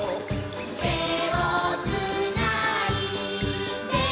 「てをつないで」